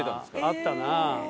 あったな。